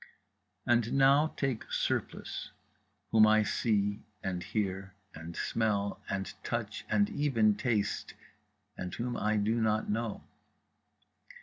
And now take Surplice, whom I see and hear and smell and touch and even taste, and whom I do not know.